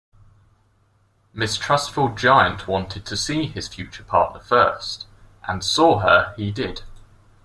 Mistrustful giant wanted to see his future partner first, and saw her he did.